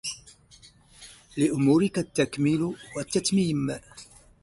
لأمورك التكميل والتتميم